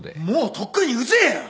もうとっくにうぜえよ！